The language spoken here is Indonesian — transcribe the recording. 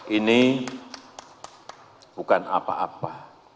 ini bukan apa apa